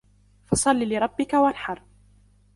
فَصَلِّ لِرَبِّكَ وَانْحَرْ